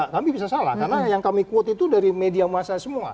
kami bisa salah karena yang kami quote itu dari media masa semua